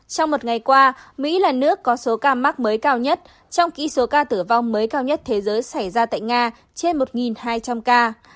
trong một ngày qua mỹ là nước có số ca mắc mới cao nhất trong kỹ số ca tử vong mới cao nhất thế giới xảy ra tại nga trên một hai trăm linh ca